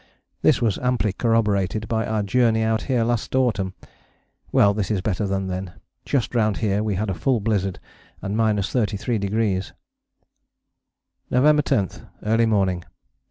This was amply corroborated by our journey out here last autumn. Well, this is better than then just round here we had a full blizzard and 33°. _November 10. Early morning.